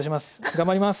頑張ります。